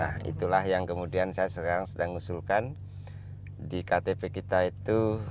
nah itulah yang kemudian saya sekarang sedang usulkan di ktp kita itu